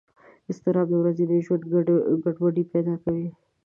اضطراب د ورځني ژوند ګډوډۍ پیدا کوي.